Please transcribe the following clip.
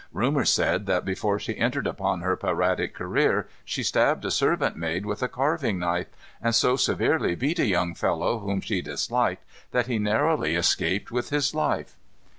Rumor said that before she entered upon her piratic career she stabbed a servant maid with a carving knife, and so severely beat a young fellow whom she disliked that he narrowly escaped with his life.